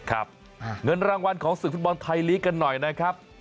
ครับเงินรางวัลของศึกธุ์ธุรกรรมไทยลีกกันหน่อยนะครับ